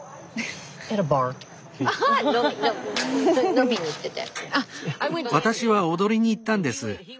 飲みに行ってて。